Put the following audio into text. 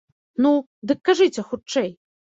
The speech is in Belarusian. Ну, дык кажыце хутчэй.